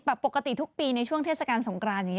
ปกติทุกปีในช่วงเทศกาลสงครานอย่างนี้